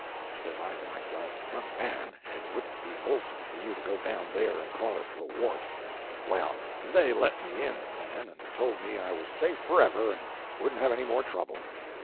Says I to myself, "Young man, it wouldn't be wholesome for you to go down there and call it the Wart." Well, they let me in, then, and told me I was safe forever and wouldn't have any more trouble.